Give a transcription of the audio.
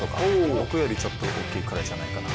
僕よりちょっと大きいぐらいじゃないかな。